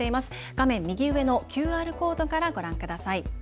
画面右上のＱＲコードからご覧ください。